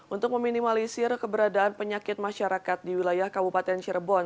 untuk meminimalisir keberadaan penyakit masyarakat di wilayah kabupaten cirebon